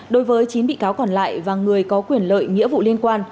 đối với chín bị cáo còn lại và người có quyền lợi nghĩa vụ liên quan